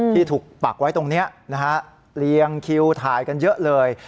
ที่ถูกปักไว้ตรงนี้นะฮะเรียงคิวถ่ายกันเยอะเลย